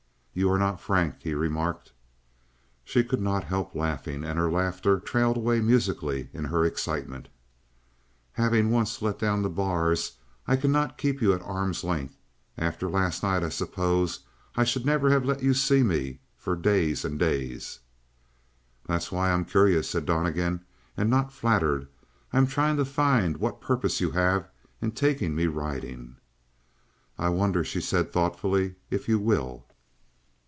"You are not frank," he remarked. She could not help laughing, and her laughter trailed away musically in her excitement. "Having once let down the bars I cannot keep you at arm's length. After last night I suppose I should never have let you see me for days and days." "That's why I'm curious," said Donnegan, "and not flattered. I'm trying to find what purpose you have in taking me riding." "I wonder," she said thoughtfully, "if you will."